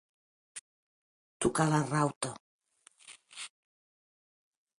Tocar la rauta.